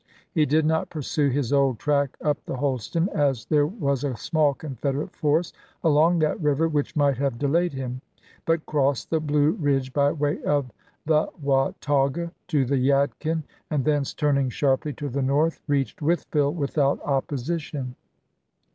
He did not pursue his old track up the Holston, as there was a small Confederate force along that river which might have delayed him; but crossed the Blue Eidge by way of the Watauga, to the Yadkin, and thence turning sharply to the north reached Wytheville without opposition.